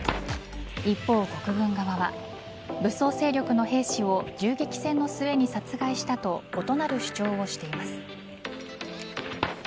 一方、国軍側は武装勢力の兵士を銃撃戦の末に殺害したと異なる主張をしています。